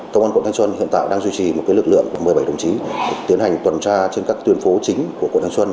công an quận thành xuân hiện tại đang duy trì một lực lượng một mươi bảy đồng chí tiến hành tuần tra trên các tuyên phố chính của quận thành xuân